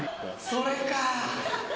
それか。